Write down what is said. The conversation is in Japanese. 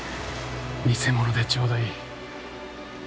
偽物でちょうどいい。